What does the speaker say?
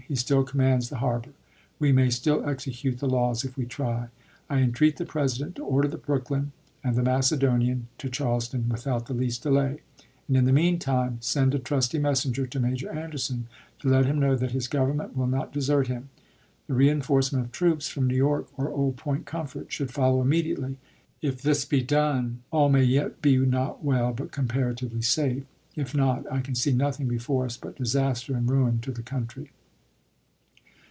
He still commands the harbor. We may still execute the laws if we try. .. I entreat the President to order the Brooklyn and the Mace donian to Charleston without the least delay, and in the meantime send a trusty messenger to Major Anderson to let him know that his Government will not desert him. The reenforcement of troops from New York or Old Point Comfort should follow immediately. If this be done at once, all may yet be not well, but comparatively safe. If says'anT not, I can see nothing before us but disaster and ruin to Sppei4 ei7. the country.